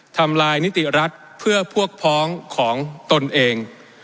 ทำลายนิติรัฐเพื่อพวกพ้องของตนเอง